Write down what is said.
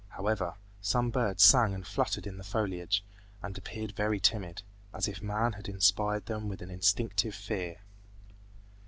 However, some birds sang and fluttered in the foliage, and appeared very timid, as if man had inspired them with an instinctive fear.